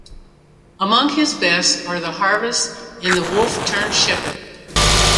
Among his best are "The Harvest" and "The Wolf turned Shepherd".